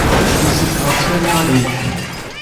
Yessefk ɣef Sami ad yečč.